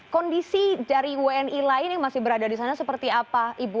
kondisi dari wni lain yang masih berada di sana seperti apa ibu